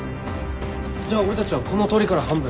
じゃあ俺たちはこの通りから半分。